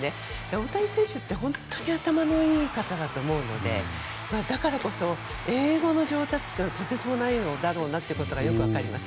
大谷選手って本当に頭のいい方だと思うのでだからこそ英語の上達というのはとてつもないだろうなというのがよく分かります。